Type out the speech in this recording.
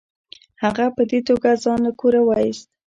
هغه په دې توګه ځان له کوره وایست.